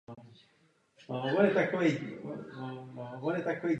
Bratr Giacomo byl kontrabasista.